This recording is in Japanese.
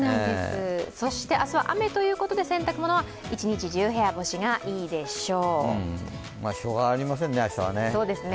そして明日、雨ということで洗濯物は一日部屋干しがいいでしょう。